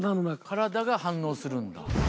体が反応するんだ。